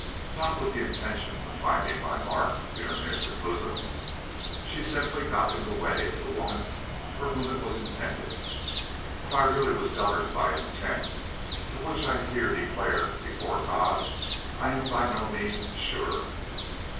Not with the intention of finding my mark in her innocent bosom. She simply got in the way of the woman for whom it was intended if I really was governed by intent, of which I here declare before God I am by no means sure.